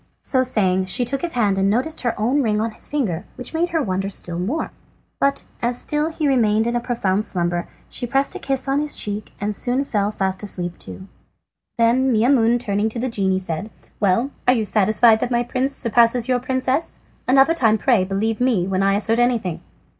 So saying she took his hand and noticed her own ring on his finger, which made her wonder still more. But as he still remained in a profound slumber she pressed a kiss on his cheek and soon fell fast asleep too. Then Maimoune turning to the genie said: "Well, are you satisfied that my prince surpasses your princess? Another time pray believe me when I assert anything."